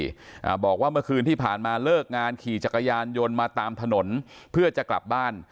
อ่าบอกว่าเมื่อคืนที่ผ่านมาเลิกงานขี่จักรยานยนต์มาตามถนนเพื่อจะกลับบ้าน